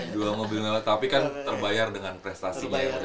dua mobil mewah lewat tapi kan terbayar dengan prestasi